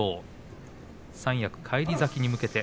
三役返り咲きに向けて。